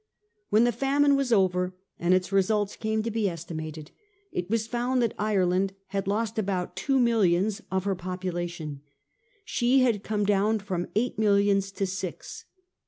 "When the famine was over and its results came to be estimated, it was found that Ireland had lost about two millions of her population. She had come down from eight millions to six.